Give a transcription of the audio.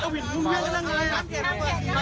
กลับไหนวะน้ำเหลือเหมือนหนังหนังหนับเฟิงวะ